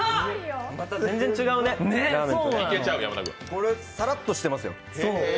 これさらっとしてますよ。